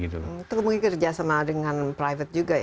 terlebih kerjasama dengan private juga